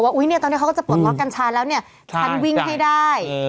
ว่าตอนนี้เค้าก็จะปลดล๊อคกันฉันแล้วฉันวิ่งให้ได้